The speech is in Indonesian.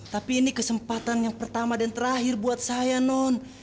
tapi ini kesempatan yang pertama dan terakhir buat saya non